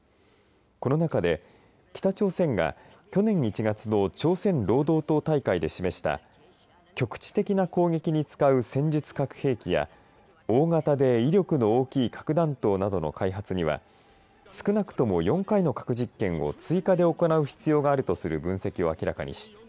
この中で北朝鮮が去年１月の朝鮮労働党大会で示した局地的攻撃に使う戦術核兵器や大型で威力の大きい核弾頭などの開発には少なくとも４回の核実験を追加で行う必要があるとする分析を明らかにし